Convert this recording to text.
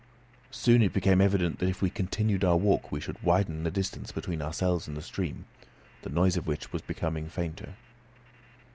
Soon it became evident that if we continued our walk we should widen the distance between ourselves and the stream, the noise of which was becoming fainter.